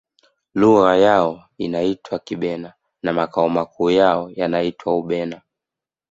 lugha yao inaitwa kibena na makao yao makuu yanaitwa ubena